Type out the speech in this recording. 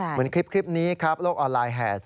เหมือนคลิปนี้ครับโลกออนไลน์แห่